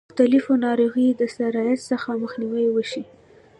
مختلفو ناروغیو د سرایت څخه مخنیوی وشي.